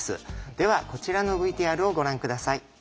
ではこちらのＶＴＲをご覧下さい。